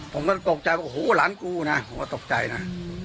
ผมก็โปรดใจกับหูหลานกูนะผมก็ตกใจนะ